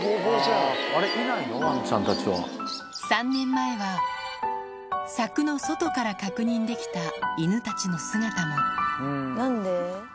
３年前は、柵の外から確認できた犬たちの姿も。